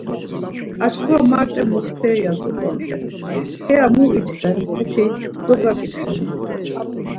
Açkfa marte mokteri ya zopontes heya mu itkfen heti dogakitxeni?